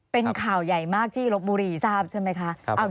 เป็นข่าวใหญ่มากที่ลบบุรีทราบใช่ไหมคะ